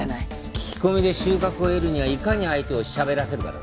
聞き込みで収穫を得るにはいかに相手をしゃべらせるかだ。